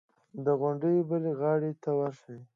د غونډیو بلې غاړې ته ورشي.